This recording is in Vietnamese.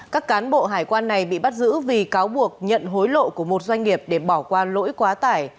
các cán bộ hải quan này bị bắt giữ vì cáo buộc nhận hối lộ của một doanh nghiệp để bỏ qua lỗi quá tải